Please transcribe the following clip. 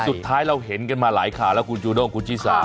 สุดท้ายเราเห็นกันมาหลายค่ะคุณจูโดคคุณจิซา